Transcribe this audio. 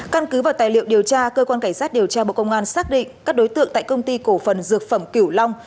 căn cứ vào tài liệu điều tra cơ quan cảnh sát điều tra bộ công an xác định các đối tượng tại công ty cổ phần dược phẩm kiểu long